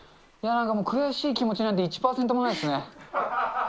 なんかもう、悔しい気持ちなんて１％もないですね。